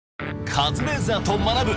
『カズレーザーと学ぶ。』